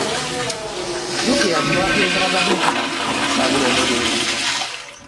Jjukira twagenda babiri okusaba omulimu.